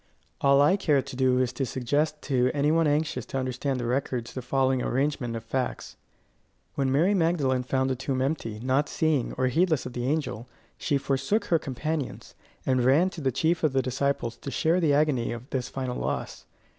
All I care to do is to suggest to any one anxious to understand the records the following arrangement of facts. When Mary Magdalene found the tomb empty, not seeing, or heedless of the angel, she forsook her companions, and ran to the chief of the disciples to share the agony of this final loss.